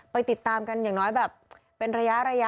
ไปติดตามกันอย่างน้อยแบบเป็นระยะ